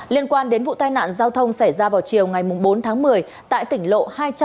liên quan đến vụ tai nạn giao thông xảy ra vào chiều ngày bốn tháng một mươi tại tỉnh lộ hai trăm bảy mươi